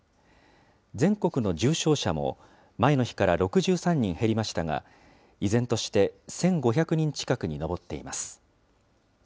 全国の重症者も、前の日から６３人減りましたが、依然として１５００人近くに上っています。